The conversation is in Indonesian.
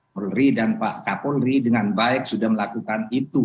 polri dan pak kapolri dengan baik sudah melakukan itu